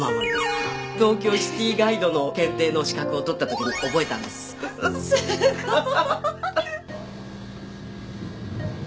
東京シティガイドの検定の資格を取った時に覚えたんですすごい！